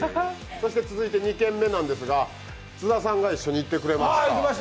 ２軒目なんですが、津田さんが一緒に行ってくれました。